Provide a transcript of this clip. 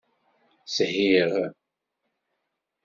Shiɣ.